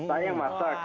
saya yang masak